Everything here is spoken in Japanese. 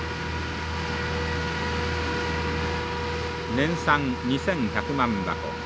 年産２，１００万箱。